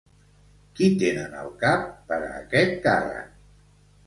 Qui tenen al cap per a aquest càrrec?